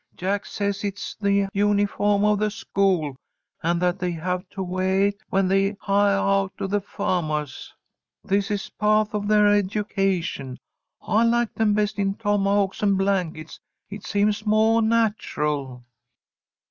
Jack says it's the unifawm of the school, and that they have to weah it when they hiah out to the fahmahs. This is paht of their education. I like them best in tomahawks and blankets. It seems moah natural."